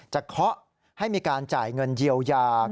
เคาะให้มีการจ่ายเงินเยียวยา